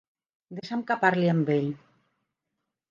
Deixa'm que parli amb ell.